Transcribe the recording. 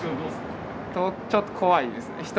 ちょっと怖いですね